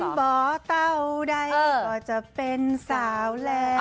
ข้าบอเต่าได้ก็จะเป็นสาวแล้ว